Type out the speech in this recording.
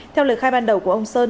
theo lời khai ban đầu của ông sơn